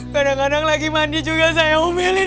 kadang kadang lagi mandi juga saya memilih